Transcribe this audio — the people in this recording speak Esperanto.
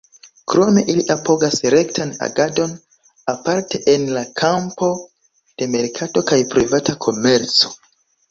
Krome, ili apogas rektan agadon, aparte en la kampo de merkato kaj privata komerco.